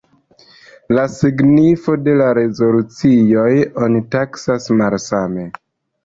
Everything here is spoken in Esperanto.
La signifon de la rezolucioj oni taksas malsame.